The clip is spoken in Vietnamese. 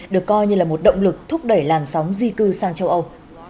được coi như là một động lực thúc đẩy làn sóng di cư sang châu âu